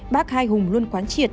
bác hai hùng luôn quán triệt